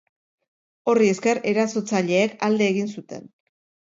Horri esker, erasotzaileek alde egin zuten.